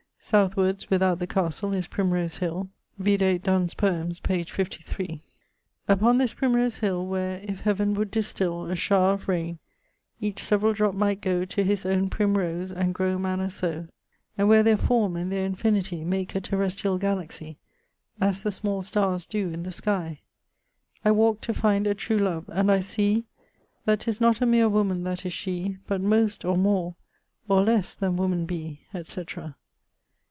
Southwards, without the castle, is Prim rose hill: vide Donne's Poems, p. 53. Upon this Prim rose hill[LXXXI.], Where, if Heaven would distill A showre of raine, each severall drop might goe To his owne prim rose, and grow manna so; And where their forme and their infinitie Make a terrestriall galaxie, As the small starres doe in the skie; I walke to find a true love, and I see That 'tis not a meer woman that is shee, But most, or more, or lesse than woman be, etc. [LXXXI.